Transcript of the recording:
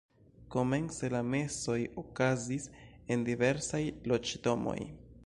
Komence la mesoj okazis en diversaj loĝdomoj.